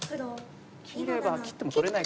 切れば切っても取れないか。